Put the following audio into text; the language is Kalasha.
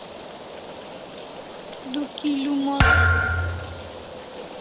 Du kilo mos